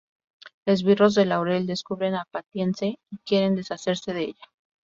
Esbirros de Laurel descubren a Patience y quieren deshacerse de ella.